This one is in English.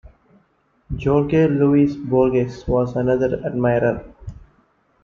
Jorge Luis Borges was another admirer.